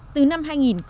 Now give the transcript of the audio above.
từ năm hai nghìn một